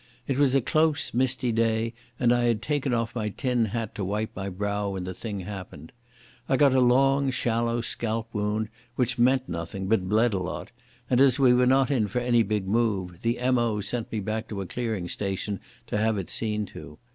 It was a close, misty day and I had taken off my tin hat to wipe my brow when the thing happened. I got a long, shallow scalp wound which meant nothing but bled a lot, and, as we were not in for any big move, the M.O. sent me back to a clearing station to have it seen to.